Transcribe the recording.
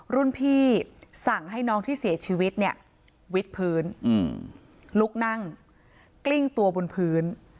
รุ่นพี่สั่งให้น้องที่เสียชีวิตเนี่ยวิทย์พื้นลุกนั่งกลิ้งตัวบนพื้น